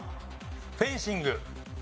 フェンシング。